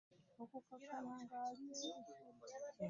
Mukulu wange Kasozi mu kutta enswa yali yeekansa we twakulira.